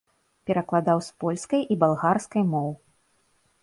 Перакладаў з польскай і балгарскай моў.